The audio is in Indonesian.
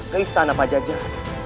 ke istana pak jajah